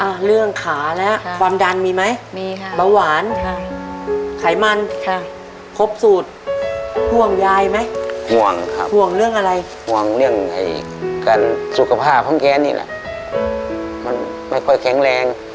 เรื่องขาแล้วความดันมีไหมมีค่ะเบาหวานค่ะไขมันค่ะครบสูตรห่วงยายไหมห่วงครับห่วงเรื่องอะไรห่วงเรื่องไอ้การสุขภาพของแกนี่แหละมันไม่ค่อยแข็งแรง